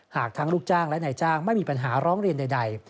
หากทั้งลูกจ้างและนายจ้างไม่มีปัญหาร้องเรียนใด